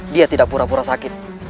dia tidak pura pura sakit